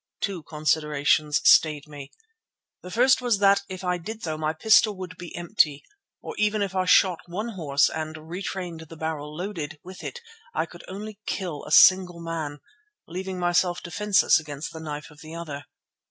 Two considerations stayed me. The first was that if I did so my pistol would be empty, or even if I shot one horse and retained a barrel loaded, with it I could only kill a single man, leaving myself defenceless against the knife of the other.